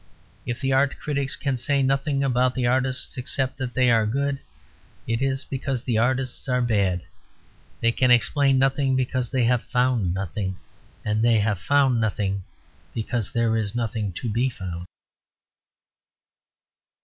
If the art critics can say nothing about the artists except that they are good it is because the artists are bad. They can explain nothing because they have found nothing; and they have found nothing because there is nothing to be found.